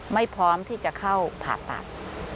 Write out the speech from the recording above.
พร้อมที่จะเข้าผ่าตัด